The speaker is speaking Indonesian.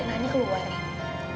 itu akan ngebuktiin semuanya kok